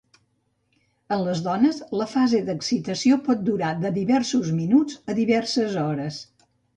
En les dones, la fase d'excitació pot durar de diversos minuts a diverses hores.